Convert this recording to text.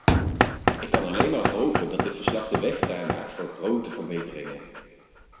Ik kan alleen maar hopen dat dit verslag de weg vrijmaakt voor grote verbeteringen.